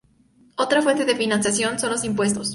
Otra fuente de financiación son los impuestos.